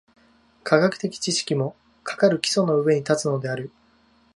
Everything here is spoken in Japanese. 科学的知識も、かかる基礎の上に立つのである。